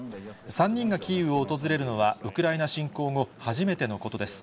３人がキーウを訪れるのは、ウクライナ侵攻後、初めてのことです。